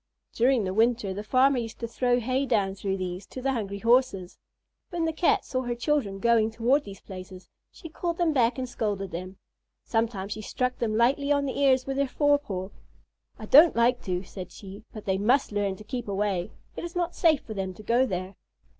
During the winter, the farmer used to throw hay down through these to the hungry Horses. When the Cat saw her children going toward these places, she called them back and scolded them. Sometimes she struck them lightly on the ears with her forepaw. "I don't like to," said she, "but they must learn to keep away. It is not safe for them to go there."